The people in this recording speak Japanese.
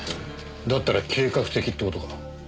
だったら計画的って事か？